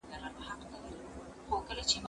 هغه څوک چي انځور ګوري زده کوي!.